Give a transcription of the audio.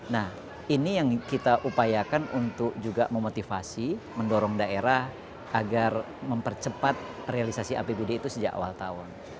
nah ini yang kita upayakan untuk juga memotivasi mendorong daerah agar mempercepat realisasi apbd itu sejak awal tahun